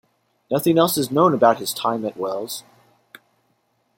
Nothing else is known about his time at Wells.